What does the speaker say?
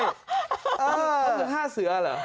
เขาคือห้าเสือหรอ